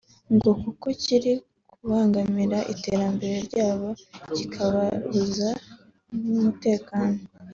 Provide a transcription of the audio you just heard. ngo kuko kiri kubangamira iterambere ryabo kikababuza n’umutekano